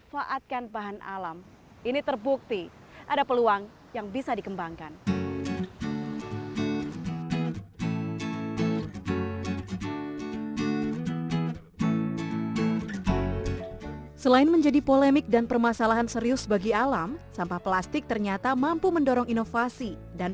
fakta bahwa indonesia cukup jauh tertinggal dalam penggunaan plastik ramah lingkungan